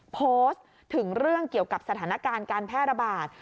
โพสต์ถึงเรื่องเกี่ยวกับสถานการณ์การแพร่ระบาด